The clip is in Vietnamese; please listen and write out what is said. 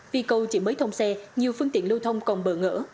vì cầu chỉ mới thông xe nhiều phương tiện lưu thông còn bỡ ngỡ